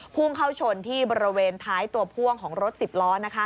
พุ่งเข้าชนที่บริเวณท้ายตัวพ่วงของรถ๑๐ล้อ